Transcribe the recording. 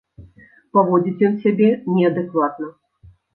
Паводзіць ён сябе неадэкватна.